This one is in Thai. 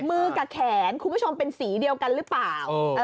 มือกับแขนคุณผู้ชมเป็นสีเดียวกันหรือเปล่า